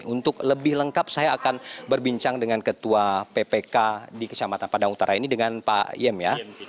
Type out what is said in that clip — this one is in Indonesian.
untuk lebih lengkap saya akan berbincang dengan ketua ppk di kecamatan padang utara ini dengan pak yem ya